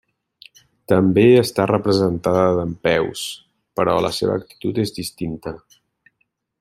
També està representada dempeus, però la seva actitud és distinta.